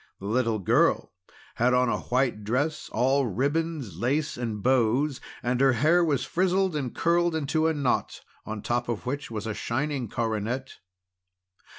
The little girl had on a white dress all ribbons, lace, and bows, and her hair was frizzled and curled into a knot, on top of which was a shining coronet.